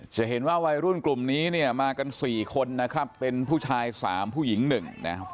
จะเห็นว่าวัยรุ่นกลุ่มนี้เนี่ยมากัน๔คนนะครับเป็นผู้ชาย๓ผู้หญิง๑นะครับ